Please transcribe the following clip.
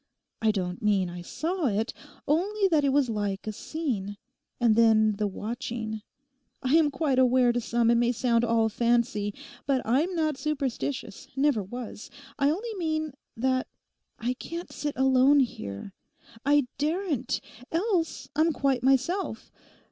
I don't mean I saw it, only that it was like a scene. And then the watching—I am quite aware to some it may sound all fancy. But I'm not superstitious, never was. I only mean—that I can't sit alone here. I daren't. Else, I'm quite myself.